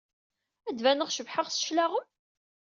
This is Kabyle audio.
Ad d-baneɣ cebḥeɣ s cclaɣem?